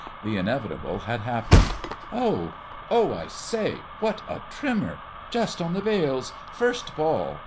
The inevitable had happened. "Oh!" "Oh, I say!" "What a trimmer!" "Just on the bails!" "First ball!"